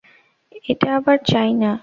এটা আবার চাই না।